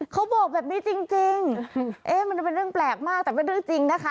เขาบอกแบบนี้จริงเอ๊ะมันเป็นเรื่องแปลกมากแต่เป็นเรื่องจริงนะคะ